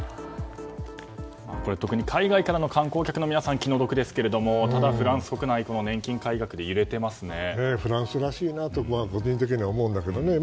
これ、特に海外からの観光客の皆さんは気の毒ですがただ、フランス国内はフランスらしいと個人的には思うんだけどね。